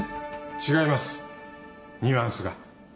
違いますニュアンスが。